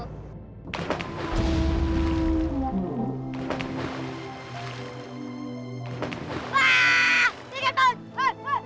wah ikan paus